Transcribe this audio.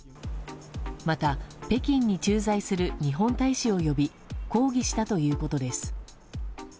また、北京に駐在する日本大使を呼び抗議したということです。